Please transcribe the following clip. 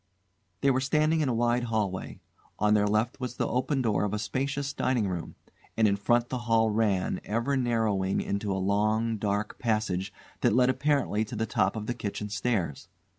They were standing in a wide hall way; on their left was the open door of a spacious dining room, and in front the hall ran, ever narrowing, into a long, dark passage that led apparently to the top of the kitchen stairs.